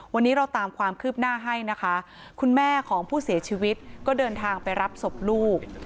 วันนี้เราตามความคืบหน้าให้นะคะคุณแม่ของผู้เสียชีวิตก็เดินทางไปรับศพลูก